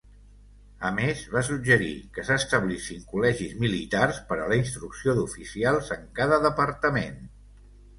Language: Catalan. A més, va suggerir que s'establissin col·legis militars per a la instrucció d'oficials en cada departament.